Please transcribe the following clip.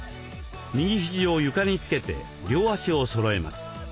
右肘を床につけて両足をそろえます。